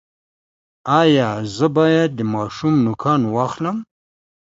ایا زه باید د ماشوم نوکان واخلم؟